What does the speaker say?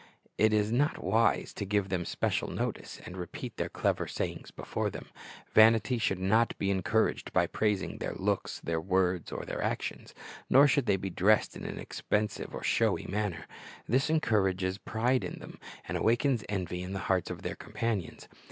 It is not wise to give them special notice, and repeat their clever sayings before them. Vanity should not be encouraged by praising their looks, their words, or their actions. Nor should they be dressed in an expensive or showy manner. This encourages pride in them, and awakens envy in the hearts of their companions.